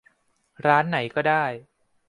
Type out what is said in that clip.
ร้านไหนก็ได้